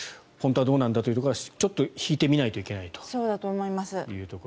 本当はどうなんだというのはちょっと引いて見ないといけないという。